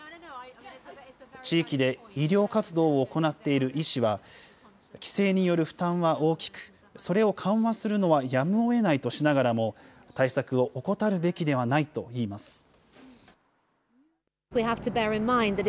地域で医療活動を行っている医師は、規制による負担は大きく、それを緩和するのはやむをえないとしながらも、対策を怠るべきではないといいます。